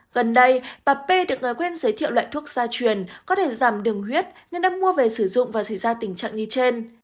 gần đây bà p được người quen giới thiệu loại thuốc gia truyền có thể giảm đường huyết nên đã mua về sử dụng và xảy ra tình trạng như trên